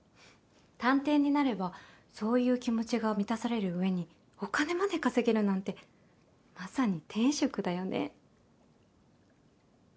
探偵になればそういう気持ちが満たされる上にお金まで稼げるなんてまさに天職だよね。